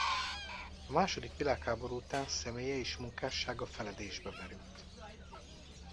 A második világháború után személye és munkássága feledésbe merült.